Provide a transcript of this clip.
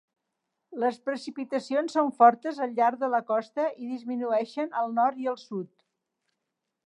Les precipitacions són fortes al llarg de la costa i disminueixen al nord i al sud.